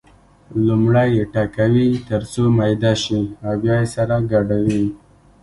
لومړی یې ټکوي تر څو میده شي او بیا یې سره ګډوي.